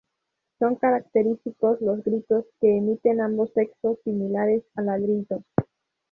Son característicos los gritos que emiten ambos sexos, similares a ladridos.